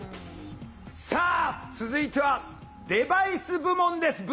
さあ続いてはデバイス部門です。